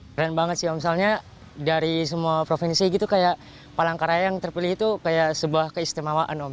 keren banget sih misalnya dari semua provinsi gitu kayak palangkaraya yang terpilih itu kayak sebuah keistimewaan om